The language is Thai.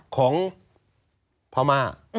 ของพระม่า